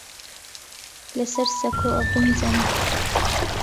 لەسەر سەکۆ ئەبن جەم